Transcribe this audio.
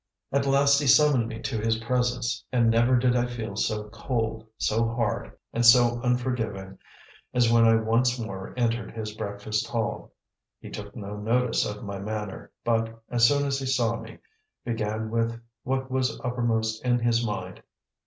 At last he summoned me to his presence, and never did I feel so cold, so hard, and so unforgiving, as when I once more entered his breakfast hall. He took no notice of my manner, but, as soon as he saw me, began with what was uppermost in his mind.